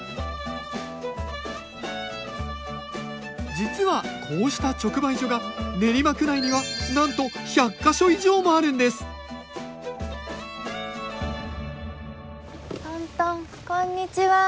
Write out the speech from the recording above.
実はこうした直売所が練馬区内にはなんと１００か所以上もあるんですトントンこんにちは。